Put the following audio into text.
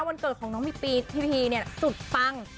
วันเกิดของน้องพี่พีเนี่ยสุดปัง